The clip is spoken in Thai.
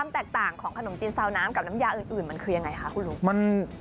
แตกต่างของขนมจีนซาวน้ำกับน้ำยาอื่นมันคือยังไงคะคุณลุง